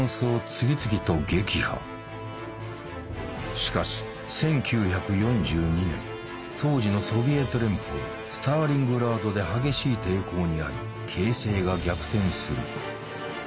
しかし１９４２年当時のソビエト連邦スターリングラードで激しい抵抗にあい形勢が逆転する。